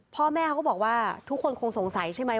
ขอบคุณครับ